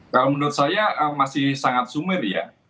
kalau menurut saya masih sangat sumir ya